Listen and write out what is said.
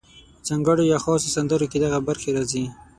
په ځانګړو یا خاصو سندرو کې دغه برخې راځي: